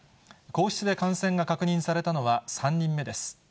皇室で感染が確認されたのは３人目です。